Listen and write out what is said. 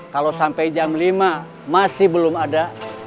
kalau sampai jam lima masih belum ada